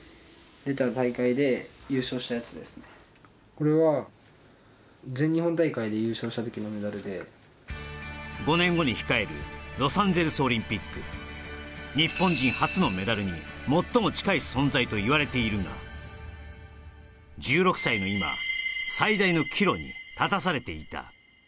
これは５年後に控えるロサンゼルスオリンピックといわれているが１６歳の今最大の岐路に立たされていた